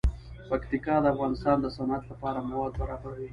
پکتیکا د افغانستان د صنعت لپاره مواد برابروي.